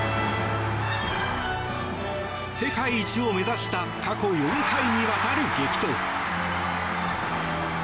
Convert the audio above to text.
世界一を目指した過去４回にわたる激闘。